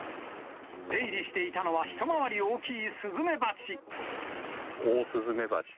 出入りしていたのは、一回り大きいスズメバチ。